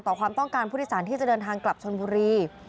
ต่อความต้องการผู้ทิศาลที่จะเดินทางกลับชนพุรี